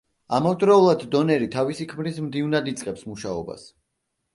ამავდროულად, დონერი თავისი ქმრის მდივნად იწყებს მუშაობას.